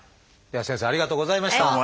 では先生ありがとうございました。